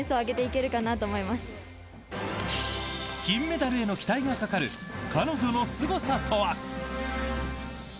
金メダルへの期待がかかる彼女のすごさとは。